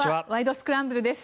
スクランブル」です。